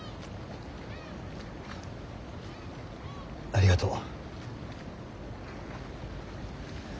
ありがとう。